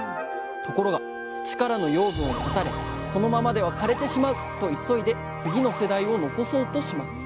ところが土からの養分を断たれこのままでは枯れてしまうと急いで次の世代を残そうとします危機を感じた。